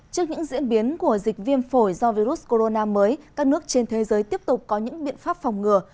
trước những diễn biến của dịch viêm phổi do virus corona mới các nước trên thế giới tiếp tục có những biện pháp phòng ngừa